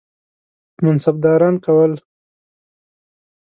منصبداران کول.